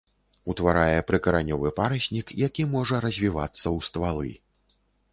Утварае прыкаранёвы параснік, які можа развіцца ў ствалы.